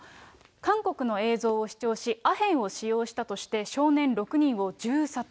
韓国の映像を視聴し、アヘンを使用したとして少年６人を銃殺。